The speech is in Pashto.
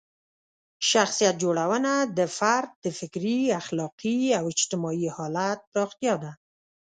شخصیت جوړونه د فرد د فکري، اخلاقي او اجتماعي حالت پراختیا ده.